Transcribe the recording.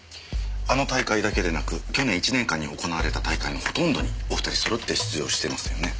あの大会だけでなく去年１年間に行われた大会のほとんどにお二人揃って出場していますよね。